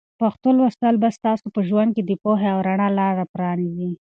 پښتو لوستل به ستاسو په ژوند کې د پوهې او رڼا لاره پرانیزي.